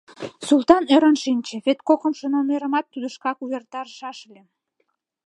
Султан ӧрын шинче, вет кокымшо номерымат тудо шкак увертарышаш ыле.